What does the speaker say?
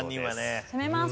攻めます！